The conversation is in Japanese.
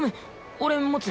俺持つ。